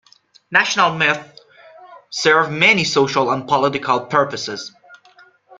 National myths serve many social and political purposes.